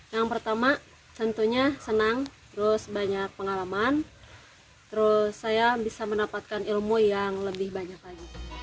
yang pertama tentunya senang terus banyak pengalaman terus saya bisa mendapatkan ilmu yang lebih banyak lagi